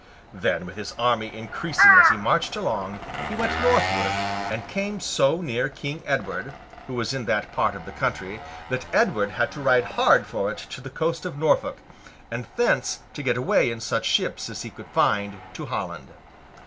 Then, with his army increasing as he marched along, he went northward, and came so near King Edward, who was in that part of the country, that Edward had to ride hard for it to the coast of Norfolk, and thence to get away in such ships as he could find, to Holland.